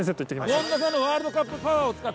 権田さんのワールドカップパワーを使って。